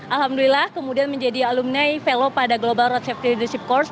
alhamdulillah kemudian menjadi alumni velo pada global road safe leadership course